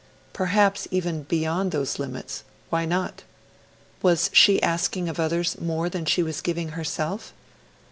Perhaps, even beyond those limits; why not? Was she asking of others more than she was giving herself?